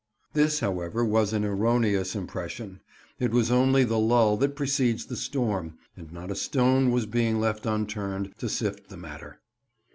This, however, was an erroneous impression; it was only the lull that precedes the storm, and not a stone was being left unturned to sift the matter.